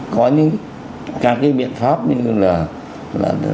có những các cái biện pháp như là